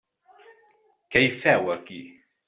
Què hi feu, aquí?